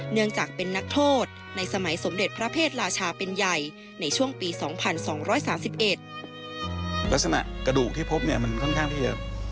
เนื่องจากเป็นนักโทษในสมเด็จพระเพศราชาเป็นใหญ่ในช่วงปี๒๒๓๑